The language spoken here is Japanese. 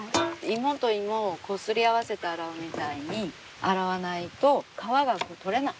芋と芋をこすり合わせて洗うみたいに洗わないと皮が取れない。